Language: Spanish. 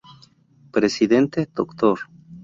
Presidente: Dr.